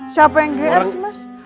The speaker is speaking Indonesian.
siapa yang gr sih mas